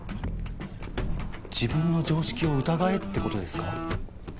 自分の常識を疑えってことですか？